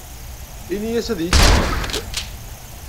Ini-as ad iyi-tt-id-yefk.